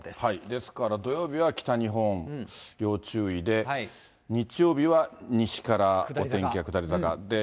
ですから、土曜日は北日本要注意で、日曜日は西からお天気が下り坂。